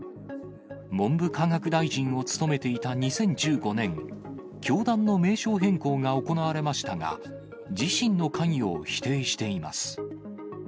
文部科学大臣を務めていた２０１５年、教団の名称変更が行われましたが、自身の関与を否定しています。